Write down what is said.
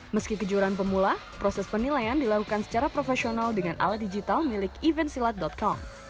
meski kejuaraan pemula proses penilaian dilakukan secara profesional dengan alat digital milik eventsilat com